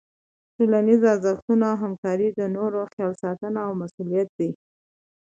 ټولنیز ارزښتونه همکاري، د نورو خیال ساتنه او مسؤلیت دي.